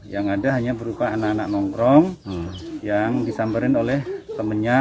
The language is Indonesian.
yang ada hanya berupa anak anak nongkrong yang disamperin oleh temennya